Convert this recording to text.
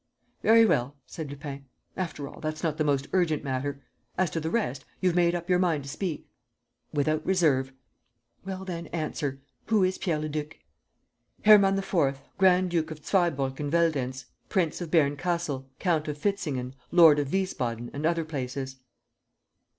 "Very well," said Lupin. "After all, that's not the most urgent matter. As to the rest, you've made up your mind to speak?" "Without reserve." "Well, then, answer. Who is Pierre Leduc?" "Hermann IV., Grand Duke of Zweibrucken Veldenz, Prince of Berncastel, Count of Fistingen, Lord of Wiesbaden and other places."